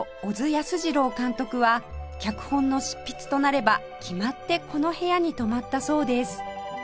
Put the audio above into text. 安二郎監督は脚本の執筆となれば決まってこの部屋に泊まったそうです